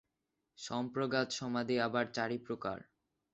সম্প্রজ্ঞাত সমাধি আবার চারি প্রকার।